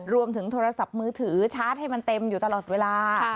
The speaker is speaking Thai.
โทรศัพท์มือถือชาร์จให้มันเต็มอยู่ตลอดเวลา